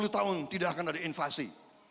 dua puluh tahun tidak akan ada invasi